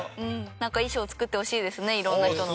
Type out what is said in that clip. なんか衣装作ってほしいですねいろんな人の。